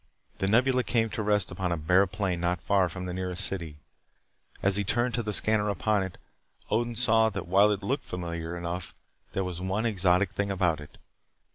The Nebula came to rest upon a bare plain not far from the nearest city. As he turned to the scanner upon it, Odin saw that while it looked familiar enough there was one exotic thing about it.